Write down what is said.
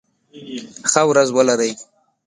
ښه ورځ ولرئ.